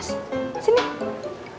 siap ya senyum